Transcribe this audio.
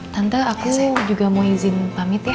tante aku saya juga mau izin pamit ya